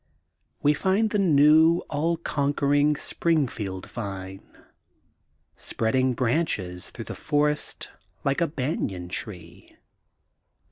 We find the new all conquering Springfield vine, spread ing branches through the forest like a banyan tree.